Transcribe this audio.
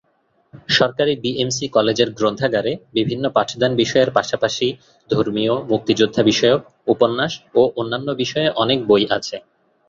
সরকারি B M C কলেজের গ্রন্থাগারে বিভিন্ন পাঠদান বিষয়ের পাশাপাশি ধর্মীয়, মুক্তিযোদ্ধা বিষয়ক, উপন্যাস ও অন্যান্য বিষয়ে অনেক বই আছে।